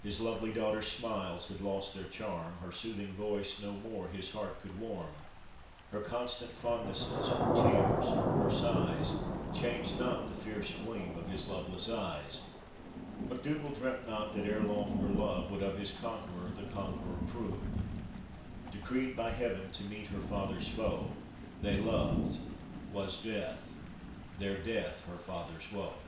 His lovely daughter's smiles had lost their charm, Her soothing voice no more his heart could warm, Her constant fondnesses, her tears, her sighs, Changed not the fierce gleam of his loveless eyes, MacDougall dreamt not that ere long her love Would of his conqueror the conqu'ror prove — Decreed by heaven to meet her father's foe, They loved, 'was death, their death her father's woe.